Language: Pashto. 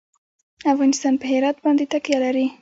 افغانستان په هرات باندې تکیه لري.